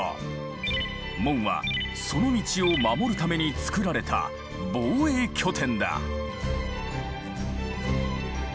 門はその道を守るために造られた防衛拠点だ。